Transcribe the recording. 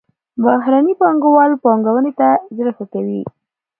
بهرني پانګوال پانګونې ته زړه ښه کوي.